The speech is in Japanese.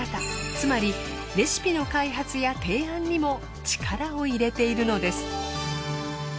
つまりレシピの開発や提案にも力を入れているのです。